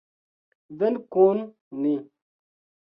Venu kun ni!